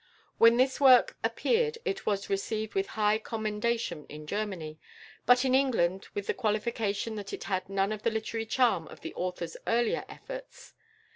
When this work appeared it was received with high commendation in Germany, but in England with the qualification that it had none of the literary charm of the author's earlier efforts.